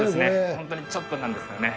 本当にちょっとなんですよね。